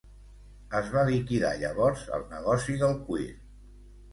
Es va liquidar llavors el negoci del cuir.